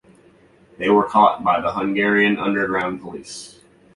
They were caught by the Hungarian underground police.